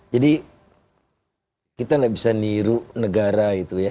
jadi kita gak bisa niru negara itu ya